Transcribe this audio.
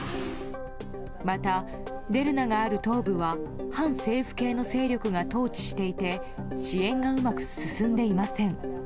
また、デルナがある東部は反政府系の勢力が統治していて支援がうまく進んでいません。